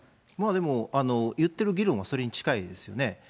でも言ってる議論はそれに近いですよね。